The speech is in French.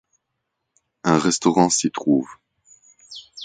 Un restaurant s'y trouve.